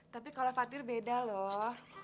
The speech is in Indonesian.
tapi kalau fatir beda loh